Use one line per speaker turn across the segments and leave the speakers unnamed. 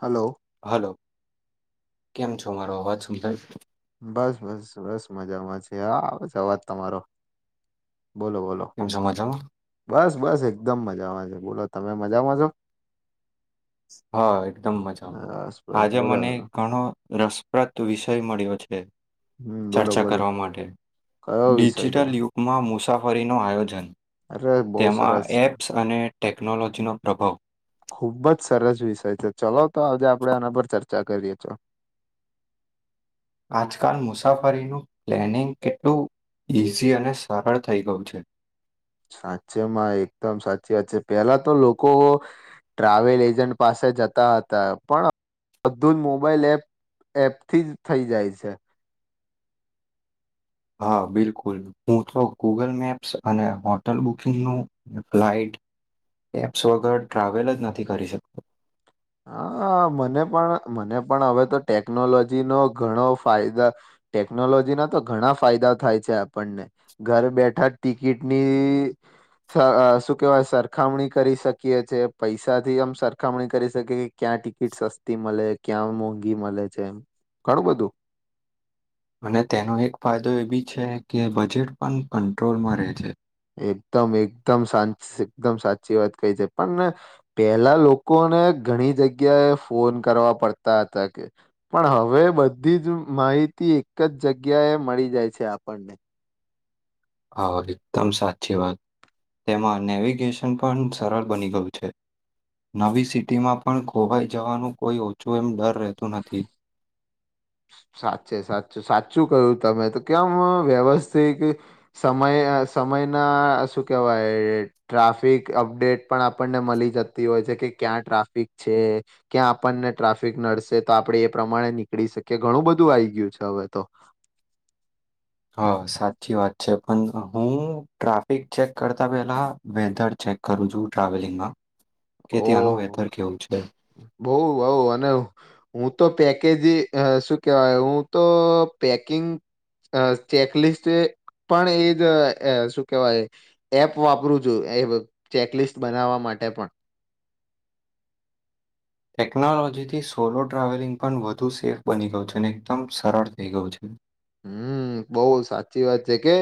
Hello
hello કેમ છો મારો અવાજ સાંભલય
બસ બસ બસ મજામાં છે હા આવે છે અવાજ તમારો બોલો બોલો
કેમ છો મજામાં
બસ બસ એકદમ મજામાં છે બોલો તમે મજામાં છો
હા એકદમ મજામાં
બસ બસ
આજે
બોલો
મને ગણો રસપ્રદ વિષય મળ્યો છે
હમ બોલો
ચર્ચા
બોલો
કરવા માટે
કયો વિષય છે
ડિજિટલ યુગમાં મુ મુસાફરીનો આયોજન
અરે બહુ
તેમાં
સરસ છે
એપ્સ અને ટેકનોલોજીનો પ્રભાવ
ખુબ જ સરસ વિષય છે ચલો તો આજે આપડે આના પર ચર્ચા કરીએ છો
આજકાલ મુસાફરીનું પ્લેનિંગ કેટલું ઈઝી અને સરળ થઈ ગયું છે
સાચેમાં એકદમ સાચી વાત છે પેલા તો લોકો ટ્રાવેલ એજન્ટ પાસે જતા હતા પણ બધું જ મોબાઈલપ એપથી જ થઈ જાય છે
હા બિલકુલ હું તો ગૂગલ મેપ્સ અને હોટલ બુકિંગનું ફ્લાઈટ એપ્સ વગર ટ્રાવેલ જ નથી કરી શકતો
હા મને પણ મને પણ હવે તો ટેકનોલોજીનો ગણો ફાયદા ટેકનોલોજીના તો ઘણા ફાયદા થાય છે આપણને ઘર બેઠા ટિકિટની શું કેવાય સરખામણી કરી શકીએ છે પૈસા થી આમ સરખામણી કરી શકે કે ક્યાં ટિકિટ સસ્તી મલે ક્યાં મોંઘી મલે છે ઘણું બધું
અને તેનો એક ફાયદો એ બી છે કે બજેટ પન કંટ્રોલમાં રેહ છે.
એકદમ એકદમ સા એકદમ સાચી વાત કઈ છે પન પેલા લોકોને ઘણી જગ્યા એ ફોન કરવા પડતા અતા કે પણ હવે બધી જ માહિ તી એક જ જગ્યાએ મળી જાય છે આપણને
હા, એકદમ સાચી વાત. એમાં નેવિગેશન પણ સરળ બની ગયું છે. નવી સિટીમાં પણ ખોવાઈ જવાનું કોઈ ઓછું એમ ડર રહેતું નથી. [inaudible]
સાચે સાચું સાચું કયુ તમે તો કેમ વ્યવસ્થિત સમય સમયના શું કહેવાય ટ્રાફિક અપડેટ પણ આપણને મળી જતી હોય છે કે ક્યાં ટ્રાફિક છે ક્યાં આપણને ટ્રાફિક નડશે તો આપણે એ પ્રમાણે નીકળી શકીએ કે ઘણું બધું આવીઈ ગયું છે હવે તો
હ સાચી વાત છે પણ હું ટ્રાફિક ચેક કરતા પેલા વેધર ચેક કરું છું ટ્રાવેલિંગમાં કે
ઓ
ત્યાંનું વેધર કેવું છે.
બહુ બહુ અને હું તો પેકેજી શું કહેવાય હું તો પેકિંગ અ ચેકલિસ્ટ એ પણ એ જ શું કેહેવાય એપ વાપરું છું એ ચેકલિસ્ટ બનાવવા માટે પણ
ટેકનોલોજીથી સોલો ટ્રાવેલિંગ પણ વધુ સેફ બની ગયું છે અને એકદમ સરળ થઈ ગયું છે
હમ બહુ સાચી વાત છે કે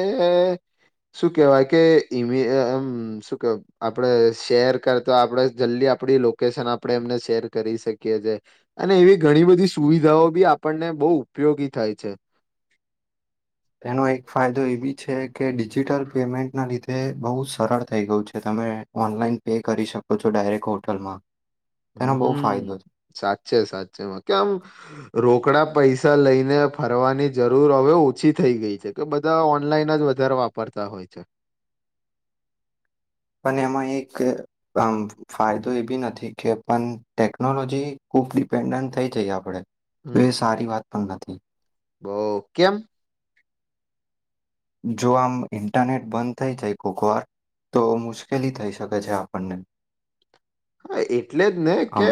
શું કેવાય કે ઇમેમ શું કેવાય આપડે શેર કરતો આપડે જલ્દી આપણી લોકેશન આપણે એમને શેર કરી શકી અને એવી ઘણી બધી સુવિધાઓ બી આપને બહુ ઉપયોગી થાય છે
એનો એક ફાયદો એ બી છે કે ડિજિટલ પેમેન્ટના લીધે બહુ સરળ થઈ ગયું છે તમે ઓનલાઈન પે કરી શકો છો ડાયરેક્ટ હોટલમાં તેનો બહુ
હમ
ફાયદો છે.
સાચે છે સાચે છેમાં કે આમ રોકડા પૈસા લઈને ફરવાની જરૂર હવે ઓછી થઈ ગઈ છે કે બધા ઓનલાઈન જ વધારે વાપરતા તા હોય છે
[inaudible] અને એમાં એક આમ ફાયદો એ બી નથી કે પણ ટેકનોલોજી ખૂબ ડપેન્ડન્ટ થઈ જઈ આપડે તો એ સારી વાત પણ નથી
બહ કેમ
જો આમ ઇન્ટરનેટ બંધ થઈ જાય કોકવાર તો મુશ્કેલી થઈ શકે છે આપણને
હા એટલે જ ને કે
આમ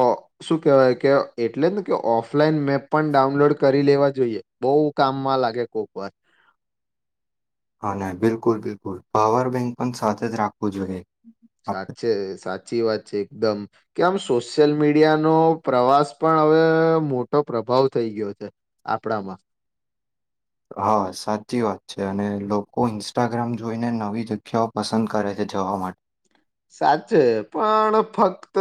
ઓ શું કેવાય કે એટલેને કે ઓફલાઈન મેપ પણ ડાઉનલોડ કરી લેવા જોઈએ. બઉ કામમાં લાગે કોક વાર.
બિલકુલ બિલકુલ પાવર બેંક પણ સાથે જ રાખો
સાચે સાચી વાત છે એકદમ. કે આમ સોશિયલ મીડિયાનો પ્રવાસ પણ હવે મોટો પ્રભાવ થઈ ગયો છે. આપણામાં.
હા સાચી વાત છે અને લોકો ઇન્સ્ટાગ્રામ જોઈને નવી જગ્યાઓ પસંદ કરે છ જવા માટ
સાચે પણ ફક્ત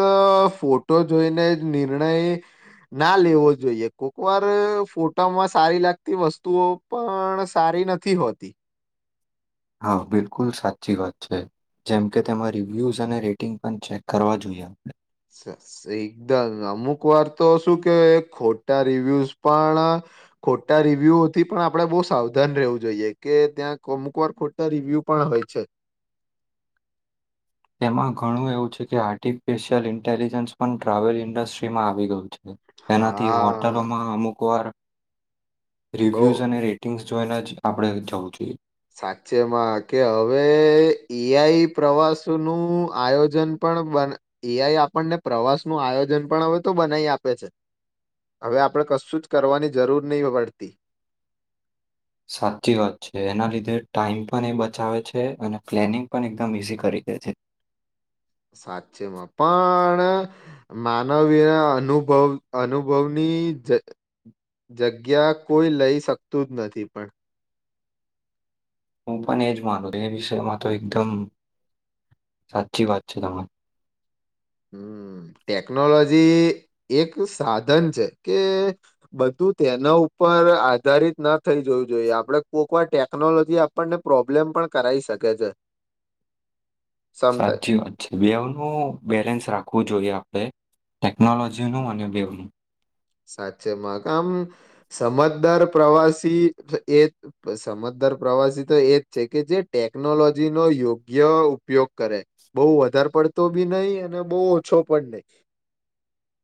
ફોટો જોઈને જ નિર્ણય ના લેવો જોઈએ, કોક વાર ફોટામાં સારી લાગતી વસ્તુઓ પણ સાર રી નથી હોતી.
હા બિલકુલ સાચી વાત છે. જેમ કે તેમાં રિવ્યુઝ અને રેટિંગ પણ ચેક કરવા જોઈએ એમને.
સ સ એકદલ અમુક વાર તો શું કે ખોટા રિવ્યુઝ પણ ખોટા રિવ્યુથી પણ આપડે બઉ સાવધાન રહેવું જોઈએ કે ત્યાં અમુક વાર ખોટા રિવ્યુ પણ હોય છે.
તેમાં ઘણું એવું છે કે આર્ટિફિશિયલ ઇન્ટેલિજન્સ પણ ટ્રાવેલ ઇન્ડસ્ટ્રીમાં આવી ગયું છે. તેનાથી
હા
હોટલોમાં અમુક વાર રિવ્યુઝ
બઉ
અને રેટિંગ્સ જોઈને જ આપણે જવું જોઈએ.
સાચેમાં કે હવે એ આઈ પ્રવાસ નું આયોજન પણ પણ બના એઆઈ આપણને પ્રવાસ નું આયોજન પણ હવે તો બનાઈ આપે છે. હવે આપણે કશું જ કરવાની જરૂર નહીં પડતી.
સાચી વાત છે એના લીધે ટાઈમ પણ એ બચાવે છે અને પ્લેનિંગ પણ એકદમ ઈઝી કરી. દેય છે.
સાચેમાં પણ માનવી અનુભવ અનુભવની ની જગ જગ્યા કોઈ લઈ શકતું જ નથી પણ
હું પણ એજ માનું એ વિષયમાં તો એકદમ સાચી વાત છે, તમારી
હમ્મ, ટેકનોલોજી એક સાધન છે. કે બધું તેના ઉપર આધારિત ના થઈ જોવું જોઈએ. આપણે કોકવાર ટેકનોલોજી આપણને પ્રોબ્લેમ પણ કરાવાઈ શકે છે.
[inaudible]
સમટાઈમ
સાચી વાત છે બેવનું બેલેન્સ રાખવું જોઈએ, આપણે ટેકનોલોજીનું અને બેવનું.
સાચેમાં ક આમ સમજદાર પ્રવાસી એ સમજ દાર પ્રવાસી તો એ જ છે કે જે ટેકનોલોજી નો યોગ્ય ઉપયોગ કરે બઉ વધારે વધાર પડતો બી નહી, અને બઉ ઓછો પણ નહી.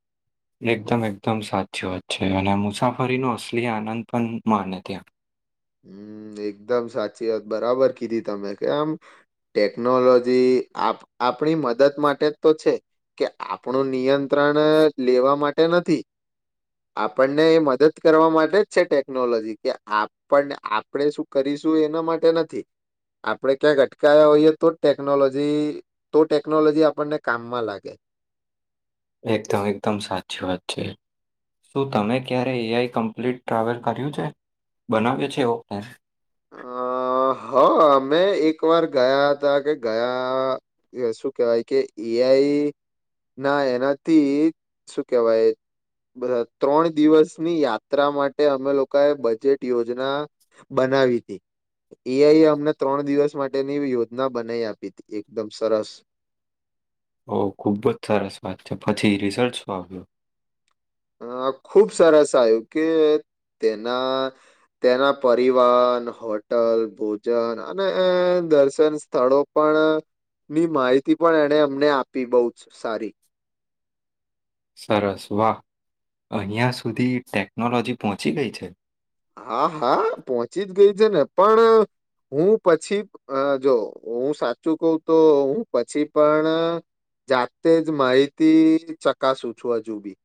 [inaudible] એકદમ એકદમ સાચી વાત છે, અને મુસાફરીનો અસલી આનંદ પણ માને ત્યાં
હમ એકદમ સાચી વાત બરાબર કીધી તમે કેમ ટેકનોલોજી આપણી મદદ માટે જ તો છે, કે આપણું નિયંત્રણ પણ લેવા માટે નથી. આપણને એ મદદ કરવા માટે જ છે ટેકનોલોજી કે આપણે આપણે શું કરીશું એના માટે નથી. આપડે ક્યાંક અટકયા હોઈએ, તો જ ટેકનોલોજી તો ટેકનોલોજી આપણને કામમાં લાગે.
એકદમ એકદમ સાચી વાત છે. શું તમે ક્યારે એઆઈ કમ્પ્લીટ ટ્રાવેલ કર્યું છે? બનાવ્યો છે એવો પર
અ હા અમે એક વાર ગયા હતા કે ગયા શું કેહેવાય કે એઆઈ ના એનાથી એ શું કેવાય. બ ત્રણ દિવસની યાત્રા માટે અમે લોકાએ બજેટ યોજના બનાવી. [inaudible] એઆઈ એ અમને ત્રણ દિવસ માટેની યોજના બનાવી આપી હતી એકદમ સરસ
ઓ ખુબ જ સરસ વાત છે પછી રિઝલ્ટ શું આવ્યો.
અ ખુબ સરસ આવ્યું કે તેના તેના પરિવાર હોટલ ભોજન અને દર્શન સ્થળો પણ
[inaudible]
ની માહિતી પણ એને અમને આપી બહુ જ સારી
સરસ વાહ અહિયા સુધી ટેકનોલોજી પહોંચી ગઈ છે.
હા હા પહોંચી જ ગઈ છે ને પણ હું પછી જો હું સાચું કવ તો હું પછી પણ જાતે જ માહિતી ચકાસું છું હજુ બી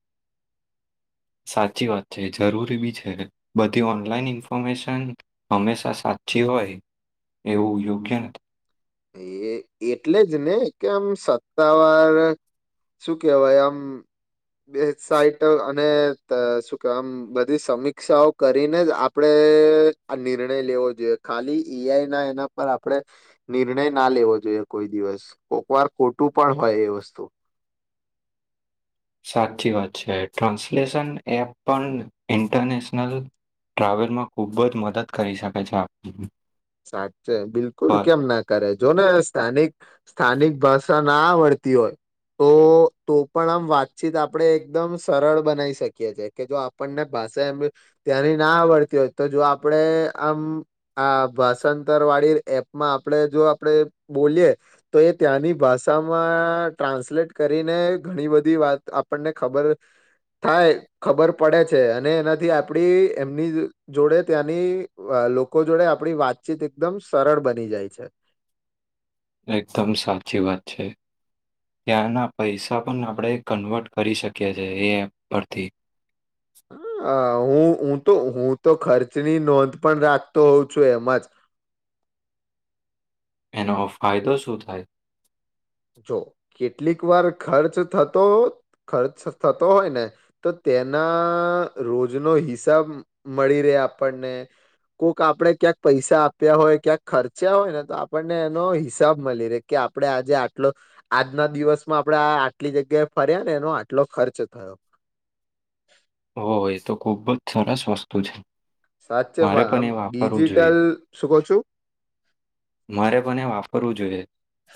[inaudible] સાચી વાત છે જરૂરી બી છે, બધી ઓનલાઈન ઇન્ફોર્મેશન હંમેશા સાચી હોય. એવું યોગ્ય નથી.
એ એટલે જ ને કેમ સત્તાવાર શું કેવાય આમ બે સાઈટ અને શું કેવામ બધી સમીક્ષાઓ કરીને જ આપડે. એ આ નિર્ણય લેવો જોઈએ, ખાલી એઆઈ ના એના પર આપણેે નિર્ણય ના લેવો જોઈએ કોઈ દિવસ કોક વાર ખોટું પણ હોય એ વસ્તુ
[inaudible] સાચી વાત છે ટ્રાન્સલેશન એપ પણ ઇન્ટરનેશનલ ટ્રાવેલમાં ખુબ જ મદદ કરી શકે છે આપની.
સાચે બિલકુલ કેમ ના કરે, જોને સ્થાનિક સ્થાનિક ભાષા ના આવડતી હોય તો તો પણ આમ વાતચીત આપણેે એકદમ સરળ બનાવી શકીએ છેએ કે જો આપણને અસેબે ત્યાંની ના આવડતી હોય તો જો આપડે આમ આ ભાષાંતર વાળી એપમાં આપણે જો આપણે બોલીયે તો એ ત્યાંની ભાષામાં ના ટ્રાન્સલેટ કરીને ઘણી બધી વાત આપણને ખબર થાય ખબર પડે છે અને એનાથી આપડી એમની જોડે ત્યાંની લોકો જોડે આપણી વાતચીત એકદમ સરળ બની જાય છે.
એકદમ સાચી વાત છે ત્યાંના પૈસા પણ આપણે કન્વર્ટ કરી શકીએ છેએ એ એપ પરથી.
આ હું હું તો હું તો ખર્ચની નોંધ પણ રાખતો હોઉ છું એમાં જ.
એનો ફાયદો શું થાય?
જો કેટલીક વાર ખર્ચ થતો ખર્ચ થતો હોય ને તો તેના રોજ નો હિસાબ મળી રહે આપણને કોક આપડે ક્યાંક પૈસા આપ્યા હોય ક્યાંક ખર્ચ્યા હોય ને તો આપણને એનો હિસાબ મળી રહેે આપડે આજે આ ટલો આજના દિવસમાં આપડે આ આટલી જગ્યાએ ફર્યા ને એનો આટલો ખર્ચ થયો.
ઓ એ તો ખુબ જ સરસ વસ્તુ છે. મારે
સાચેમાં
પણ
આમ
એ વાપરવું જોઈએ
ડિજિટલ શું કહ છું?
મારે પણ એ વાપરવું જોઈએ.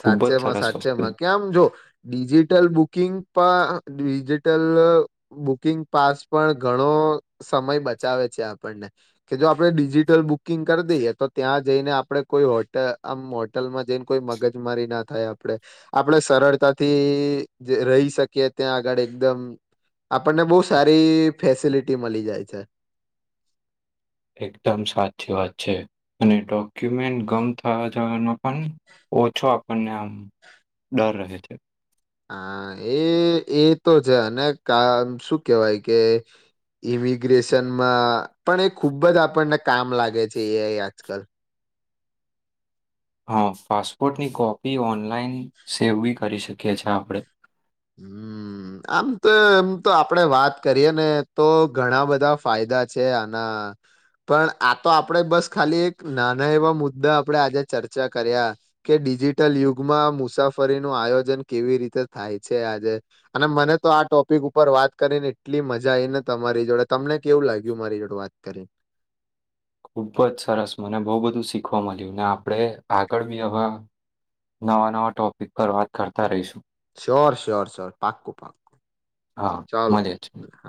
ખૂબ જ
સાચેમાં
સરસ વસ્તુ છે
સાચેમાં કેમ જો ડિજિટલ બુકિંગ પણ ડિજિટલ બુકિંગ પાસ પણ ઘણો સમય બચાવે છે આપણને. કે જો આપડે ડિજિટલ બુકિંગ કરી દઈએ તો ત્યાં જઈને આપડે કોઈ આમ હોટલમાં દેન કોઈ મગ જમારી ના થાય આપળે. આપળે સરળતાથી રહી શકીએ ત્યાં આગળ એકદમ આપણને બોવ સારી ફેસિલિટી મલી જાય છે.
એકદમ સાચી વાત છે અને ડો ક્યુપમેન્ટ ગમ થવા જવાનો પણ ઓછો આપણને આમ ડર રહે છે.
હા, એ એ તો છે અને કા શું કેવાય કે ઇમિગ્રેશનમાં પણ એ ખૂબ જ આપણને કામ લાગે છે એ આઈ આજકાલ.
હા, પાસપોર્ટની કોપી ઓનલાઈન સેવ બી કરી શકીએ છે આપળે.
હમ્મ. આમ તો, એમ તો આપણે વાત કરીએ ને તો ઘણા બધા ફાયદા છે આના. પણ આ તો આપણેે બસ ખાલી એક નાના એવા મુદ્દા આપણે આજે ચર્ચા કર્યા કે ડી જિટલ યુગમાં મુસાફરીનું આયોજન કેવી રીતે થાય. છે આજે અને મને તો આ ટોપિક ઉપર વાત કરીને એટલી મજા આઈ ને તમારી જોડે તમને કેવું લાગ્યું મારી જોળે વાત કરીને?
[inaudible] ખુબ જ સરસ. મને બોવ બધું શીખવા મલ્યું ને આપણે આગળ બી હવે નવા નવા ટોપિક પર વાત કરતા રઈશું.
સ્યોર સ્યોર સ્યોર, પાક્કું પાક્કું.
હા,
ચાલો
મલિયે છ.
હા